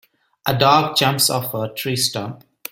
A dog jumps off a tree stump.